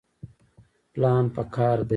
پلان پکار دی